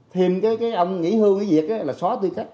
thêm cái ông nghỉ hưu nghỉ diệt là xóa tư cách